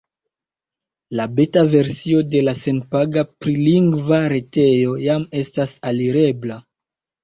La beta versio de la senpaga prilingva retejo jam estas alirebla.